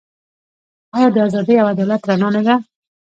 آیا د ازادۍ او عدالت رڼا نه ده؟